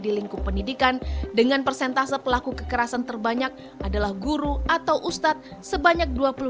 dengan alasannya sama alasannya sama